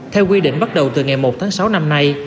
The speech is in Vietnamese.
theo quy định bắt đầu từ ngày một tháng sáu năm nay